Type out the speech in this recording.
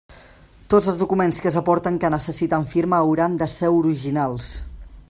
Tots els documents que s'aporten que necessiten firma hauran de ser originals.